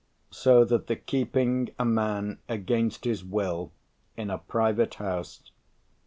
So that the keeping; a man against his will in a private house....